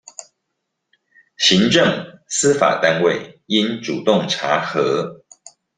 行政、司法單位應主動查核